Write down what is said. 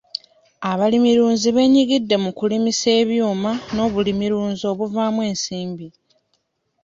Abalimirunzi beenyigidde mu kulimisa ebyuma n'obulimirunzi obuvaamu ensimbi.